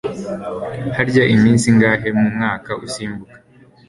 Harya iminsi ingahe mu mwaka usimbuka?